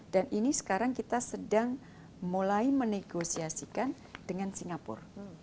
dan ini sekarang kita sedang mulai menegosiasikan dengan singapura